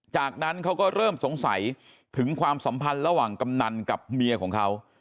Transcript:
จากนั้นเขาก็เริ่มสงสัยถึงความสัมพันธ์ระหว่างกำนันกับเมียของเขา